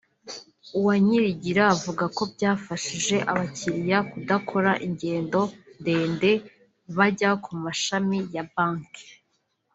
Uwanyirigira avuga ko byafashije abakiriya kudakora ingendo ndende bajya ku mashami ya banki